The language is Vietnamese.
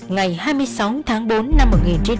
ngày hai mươi sáu tháng bốn năm một nghìn chín trăm tám mươi sáu